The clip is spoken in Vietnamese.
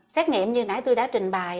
xét nghiệm như nãy tôi đã trình bài